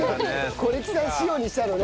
是木さん仕様にしたのね？